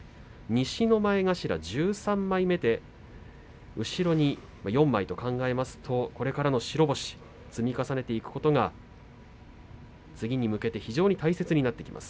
西の前頭１３枚目後ろにあと４枚と考えますとこれから白星を積み重ねていくことが次に向けて非常に大切になってきます。